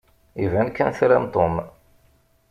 Iban kan tram Tom.